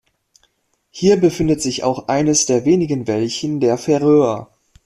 Hier befindet sich auch eines der wenigen Wäldchen der Färöer.